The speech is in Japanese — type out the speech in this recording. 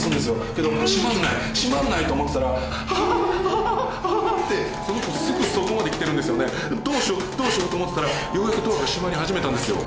けど閉まんない閉まんないと思ってたら「ハハハハハハハハハハハハハハハ」ってどうしようどうしようと思ってたらようやくドアが閉まり始めたんですよ